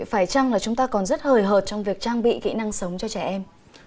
phải chăng là chúng ta còn rất hời hợt trong việc trang bị kỹ năng sống cho trẻ em